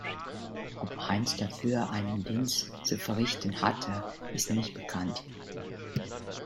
Ob Heins dafür einen Dienst zu verrichten hatte, ist nicht bekannt.